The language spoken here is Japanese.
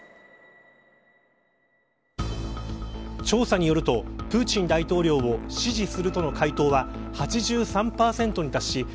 調査によるとプーチン大統領を支持するとの回答は８３％に達し